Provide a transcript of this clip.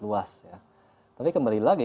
luas tapi kembali lagi